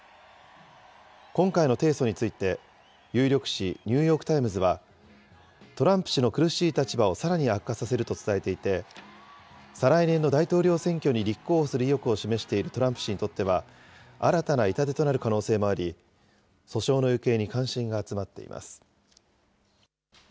今回の提訴について、有力紙、ニューヨーク・タイムズは、トランプ氏の苦しい立場をさらに悪化させると伝えていて、再来年の大統領選挙に立候補する意欲を示しているトランプ氏にとっては、新たな痛手となる可能性もあり、訴訟の行方に関心が集まっています。